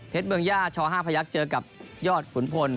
เพชรเบืองย่าช๕พยเจอกับยอดขุนพล